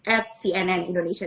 at cnn indonesia